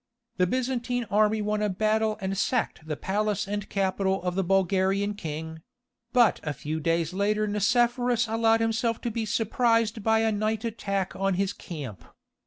The Byzantine army won a battle and sacked the palace and capital of the Bulgarian king; but a few days later Nicephorus allowed himself to be surprised by a night attack on his camp.